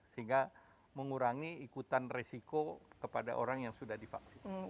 sehingga mengurangi ikutan resiko kepada orang yang sudah divaksin